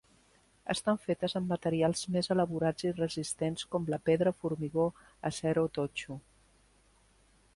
Estan fetes amb materials més elaborats i resistents com la pedra, formigó, acer o totxo.